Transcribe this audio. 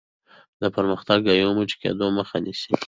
د پرمختګ او یو موټی کېدلو مخه نیسي.